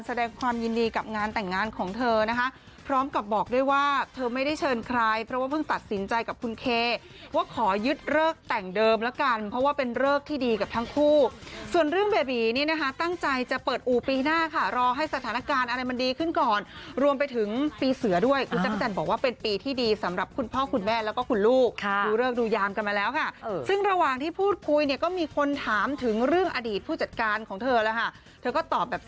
แสดงความยินดีกับงานแต่งงานของเธอนะคะพร้อมกับบอกด้วยว่าเธอไม่ได้เชิญใครเพราะว่าเพิ่งตัดสินใจกับคุณเคว่าขอยึดเลิกแต่งเดิมแล้วกันเพราะว่าเป็นเลิกที่ดีกับทั้งคู่ส่วนเรื่องเบบีนี่นะคะตั้งใจจะเปิดอู่ปีหน้าค่ะรอให้สถานการณ์อะไรมันดีขึ้นก่อนรวมไปถึงปีเสือด้วยคุณจักรจันทร์บอกว่าเป็